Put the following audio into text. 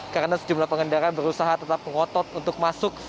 karena sejumlah pengendara berusaha tetap ngotot untuk masuk